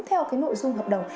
theo cái nội dung hợp đồng